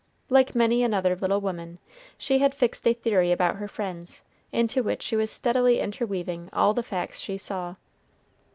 Like many another little woman, she had fixed a theory about her friends, into which she was steadily interweaving all the facts she saw.